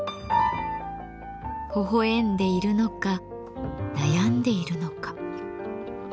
ほほえんでいるのか悩んでいるのか。